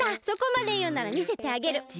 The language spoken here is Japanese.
そこまでいうならみせてあげる。